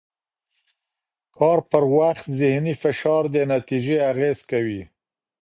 کار پر وخت ذهني فشار د نتیجې اغېز کوي.